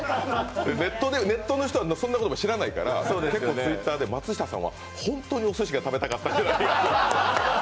ネットの人はそんなことも知らないから結構、Ｔｗｉｔｔｅｒで松下さんは本当におすしが食べたかったんじゃないかと。